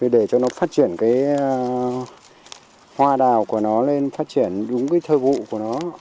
để cho nó phát triển cái hoa đào của nó lên phát triển đúng cái thơ vụ của nó